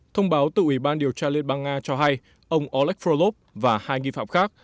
thông báo từ ủy ban điều tra liên bang nga cho hay ông olek frolov và hai nghi phạm khác